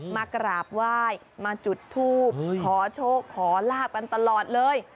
มากราบไหว้มาจุดทูบขอโชคขอลาบกันตลอดเลย